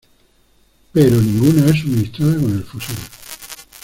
Pero ninguna es suministrada con el fusil.